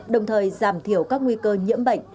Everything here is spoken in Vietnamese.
đồng thời giảm thiểu các nguy cơ nhiễm bệnh